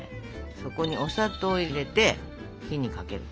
そこにお砂糖を入れて火にかける。